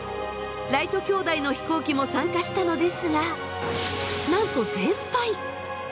ライト兄弟の飛行機も参加したのですがなんと全敗。